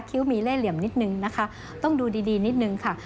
คิ้วมีเล่เหลี่ยมนิดนึงนะคะต้องดูดีนิดนึงค่ะ